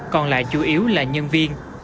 còn lại chủ yếu là nhân viên